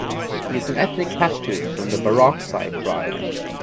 He is an ethnic Pashtun from the Barakzai tribe.